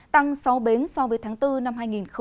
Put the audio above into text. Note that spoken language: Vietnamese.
tăng sáu bến so với tháng bốn năm hai nghìn một mươi tám